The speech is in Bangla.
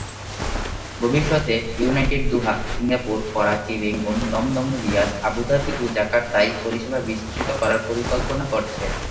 ভবিষ্যতে United Doha, Singapore, Karachi, Rangoon, Dum Dum, Riyadh, Abu Dhabi ও জাকার্তায় পরিসেবা বিস্তৃত করার পরিকল্পনা করছে।